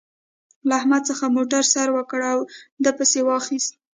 له احمد څخه موتر سر وکړ او دې پسې واخيست.